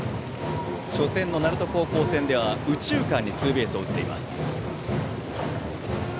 初戦の鳴門高校戦では右中間にツーベースを打っています。